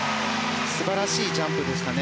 素晴らしいジャンプでしたね。